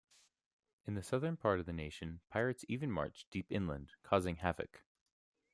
In the southern part of the nation, pirates even marched deep inland, causing havoc.